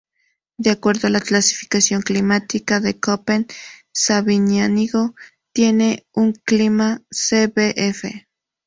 De acuerdo a la clasificación climática de Köppen Sabiñánigo tiene un clima "Cfb".